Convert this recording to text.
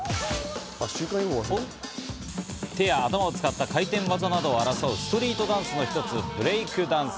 手や頭を使った回転技など争うストリートダンスのひとつブレイクダンス。